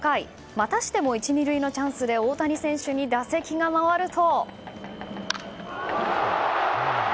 またしても１、２塁のチャンスで大谷選手に打席が回ると。